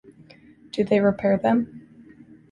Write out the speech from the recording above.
Do they repair them?